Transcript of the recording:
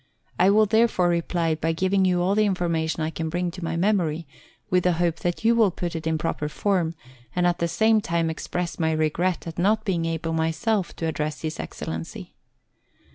I will therefore reply by giving you all the information I can bring to my memory, with the hope that you will put it in proper form, and at the same time express my regret at not being able myself to address His Excellency.